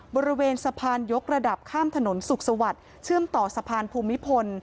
บริเวณสะพานยกระดับข้ามถนนสุขสวัสดิ์เชื่อมต่อสะพานภูมิพล